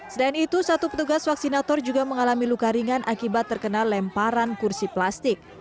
selain itu satu petugas vaksinator juga mengalami luka ringan akibat terkena lemparan kursi plastik